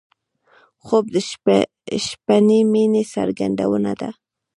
خوب د شپهنۍ مینې څرګندونه ده